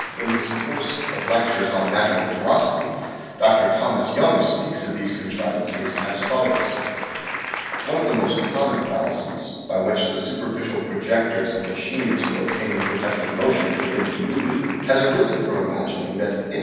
In his " Course of Lectures on Natural Philosophy," Dr. Thomas Young speaks of these contrivances as fol lows :" One of the most common fallacies, by which the super ficial projectors of machines for obtaining perpetual motion have been deluded, has arisen from imagining that any Fig.